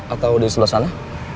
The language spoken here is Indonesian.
atau di selesana